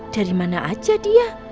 dari mana aja dia